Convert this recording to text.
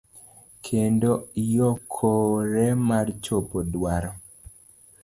Kendo oikore mar chopo dwaro.